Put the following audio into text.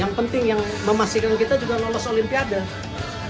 yang penting yang memastikan kita juga lolos olimpiade